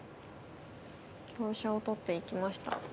香車を取っていきました。